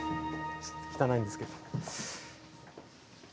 汚いんですけど。